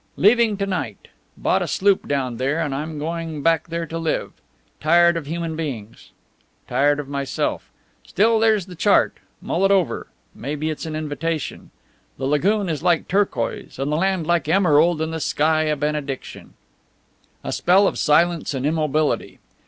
Leaving to night. Bought a sloop down there, and I'm going back there to live. Tired of human beings. Tired of myself. Still, there's the chart. Mull it over. Maybe it's an invitation. The lagoon is like turquoise and the land like emerald and the sky a benediction. A spell of silence and immobility.